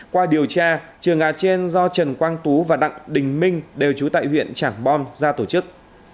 qua điều tra trường gà trên do trần quang tú và đặng đình minh đều trú tại huyện trảng bom ra tổ chức